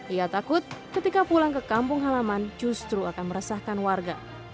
ia takut ketika pulang ke kampung halaman justru akan meresahkan warga